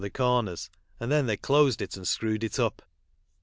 0 tlle corners > and then hey clo*. d it and screwed it up.